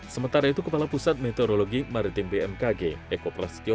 sementara itu kepala pusat meteorologi mariting bmkg eko plastio